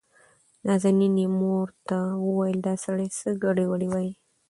نازنين يې مور ته وويل دا سړى څه ګډې وډې وايي.